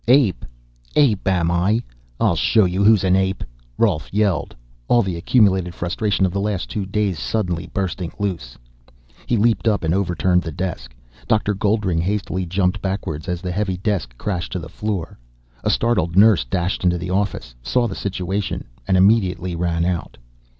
"Ape! Ape, am I! I'll show you who's an ape!" Rolf yelled, all the accumulated frustration of the last two days suddenly bursting loose. He leaped up and overturned the desk. Dr. Goldring hastily jumped backwards as the heavy desk crashed to the floor. A startled nurse dashed into the office, saw the situation, and immediately ran out.